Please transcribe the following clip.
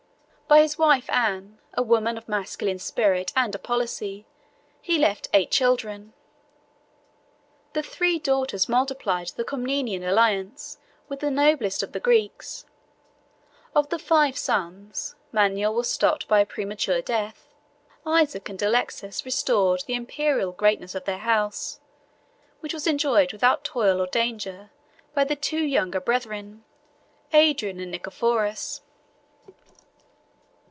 By his wife Anne, a woman of masculine spirit and a policy, he left eight children: the three daughters multiplied the Comnenian alliance with the noblest of the Greeks: of the five sons, Manuel was stopped by a premature death; Isaac and Alexius restored the Imperial greatness of their house, which was enjoyed without toil or danger by the two younger brethren, Adrian and Nicephorus.